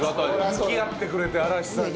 向き合ってくれて嵐さんに。